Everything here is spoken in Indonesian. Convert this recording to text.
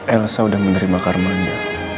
elsa udah menerima karmanya